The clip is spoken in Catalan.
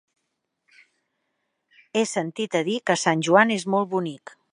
He sentit a dir que Sant Joan és molt bonic.